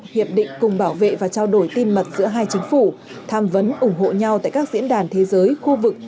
hiệp định cùng bảo vệ và trao đổi tin mật giữa hai chính phủ tham vấn ủng hộ nhau tại các diễn đàn thế giới khu vực